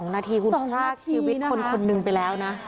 ๒นาทีคุณภาพชีวิตคนนึงไปแล้วนะ